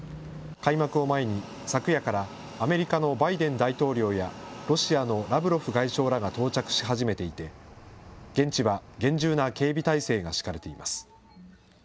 開幕を前に、昨夜からアメリカのバイデン大統領やロシアのラブロフ外相らが到着し始めていて、現地は厳重な警備態勢が敷かれています。